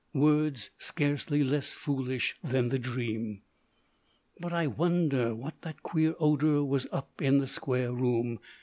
Words scarcely less foolish than the dream. But I wonder what that queer odour was up in the square room.